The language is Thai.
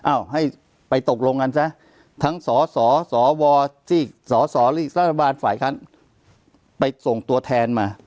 อ้าวให้ไปตกลงกันซะทั้งสสสวสสหรือสบฝไปส่งตัวแทนมา